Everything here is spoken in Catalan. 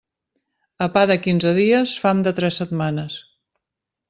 A pa de quinze dies, fam de tres setmanes.